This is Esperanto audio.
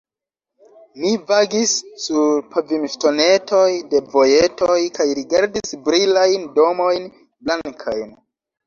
Mi vagis sur la pavimŝtonetoj de vojetoj kaj rigardis la brilajn domojn blankajn.